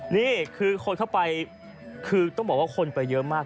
นี่คือคนเข้าไปคือต้องบอกว่าคนไปเยอะมาก